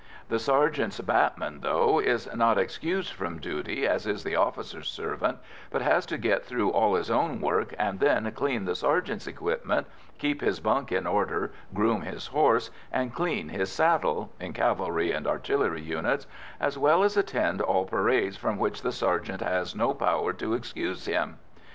The sergeant's bâtman, though, is not excused from duty as is the officer's servant, but has to get through all his own work, and then clean the sergeant's equipment, keep his bunk in order, groom his horse, and clean his saddle (in cavalry and artillery units), as well as attend all parades from which the sergeant has no power to excuse him.